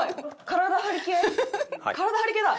体張り系だ！